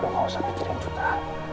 lo gak usah pikirin juga